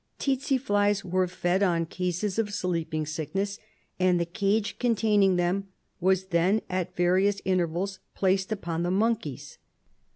Tsetse flies were fed on cases of sleeping sickness, and the cage con taining them was then, at various intervals, j^laced upon the monkeys.